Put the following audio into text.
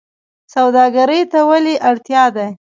سوداګرۍ ته ولې اړتیا ده؟